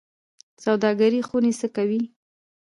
سوداګرۍ خونې څه کوي؟